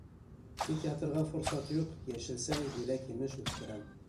— Тик ятырға форсат юҡ, йәшелсә, еләк-емеш үҫтерәм.